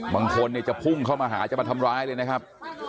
บางคนเนี่ยจะพุ่งเข้ามาหาจะมาทำร้ายเลยนะครับ